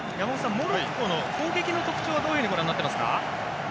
モロッコの攻撃の特徴はどういうふうにご覧になっていますか？